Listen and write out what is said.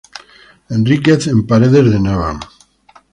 Enríquez, en Paredes de Nava.